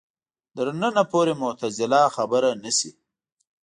تر ننه پورې معتزله خبره نه شي